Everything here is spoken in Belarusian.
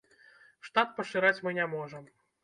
Штат пашыраць мы не можам.